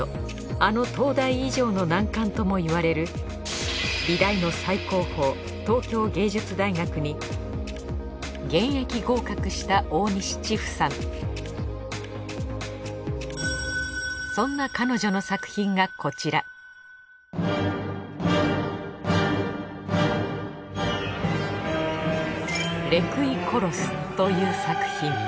あの東大以上の難関ともいわれる現役合格した大西茅布さんそんな彼女の作品がこちら『レクイコロス』という作品。